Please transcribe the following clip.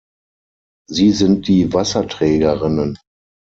Sie sind die Wasserträgerinnen.